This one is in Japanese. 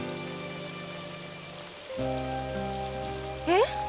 えっ？